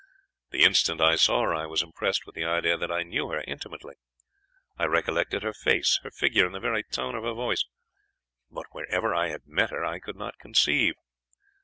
The instant I saw her I was impressed with the idea that I knew her intimately. I recollected her face, her figure, and the very tone of her voice, but wherever I had met her I could not conceive.